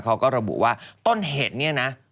เขาก็ระบุว่าต้นเหตุเนี่ยนะ